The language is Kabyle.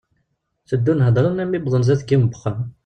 Teddun heddren alammi wwḍen ɣer sdat n yiwen n uxxam.